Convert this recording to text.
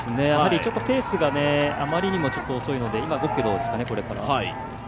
ちょっとペースがあまりにも遅いので今、５ｋｍを超えたかな。